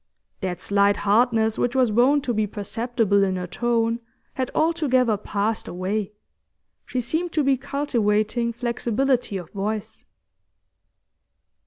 That slight hardness which was wont to be perceptible in her tone had altogether passed away; she seemed to be cultivating flexibility of voice.